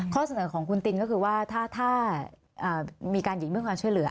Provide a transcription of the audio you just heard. ข้อเสนอของคุณตินก็คือว่าถ้ามีการหญิงเรื่องความช่วยเหลือ